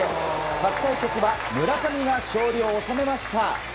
初対決は村上が勝利を収めました。